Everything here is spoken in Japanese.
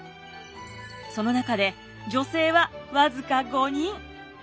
その中で女性は僅か５人。